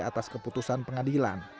atas keputusan pengadilan